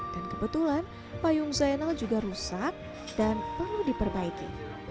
dan kebetulan payung zainal juga rusak dan perlu diperbaiki